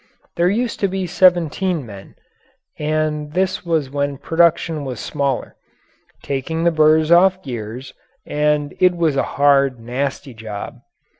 There used to be seventeen men and this was when production was smaller taking the burrs off gears, and it was a hard, nasty job.